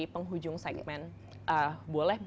penghujung segmen boleh